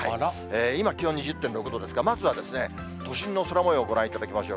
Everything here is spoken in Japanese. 今、気温２０．６度ですが、まずは都心の空もようご覧いただきましょう。